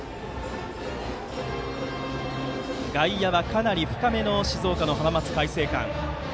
外野はかなり深めの静岡の浜松開誠館。